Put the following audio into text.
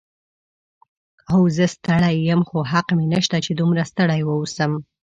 هو، زه ستړی یم، خو حق مې نشته چې دومره ستړی واوسم.